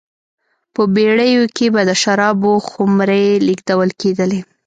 په بېړیو کې به د شرابو خُمرې لېږدول کېدلې